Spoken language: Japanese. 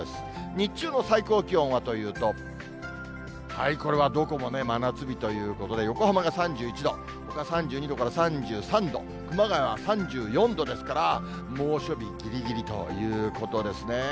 日中の最高気温はというと、これはどこもね、真夏日ということで、横浜が３１度、ほか３２度から３３度、熊谷は３４度ですから、猛暑日ぎりぎりということですね。